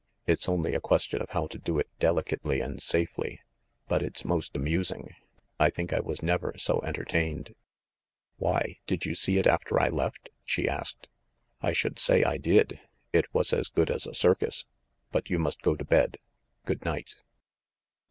It's only a question of how to do it delicately and safely. But it's most amusing. I think I was never so enter tained." "Why, did you see it after I left?" she asked. 78 .THE MASTER OF MYSTERIES "I should say I did! It was as good as a circus. But you must go to bed. Good night."